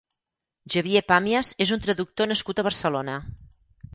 Xavier Pàmies és un traductor nascut a Barcelona.